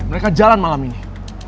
mereka jalan malam ini